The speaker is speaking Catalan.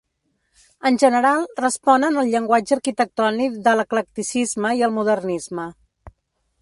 En general responen al llenguatge arquitectònic de l'eclecticisme i el modernisme.